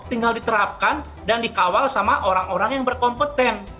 tinggal diterapkan dan dikawal sama orang orang yang berkompeten